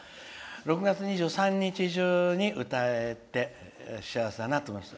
６月２３日中に歌えて幸せだなと思います。